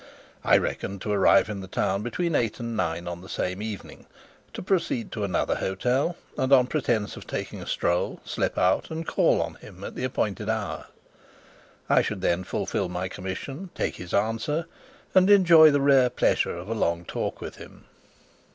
I reckoned to arrive in the town between eight and nine on the same evening, to proceed to another hotel, and, on pretence of taking a stroll, slip out and call on him at the appointed hour. I should then fulfil my commission, take his answer, and enjoy the rare pleasure of a long talk with him.